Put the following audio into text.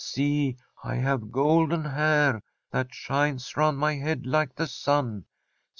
See, I have golden hair that shines round my head like the sun.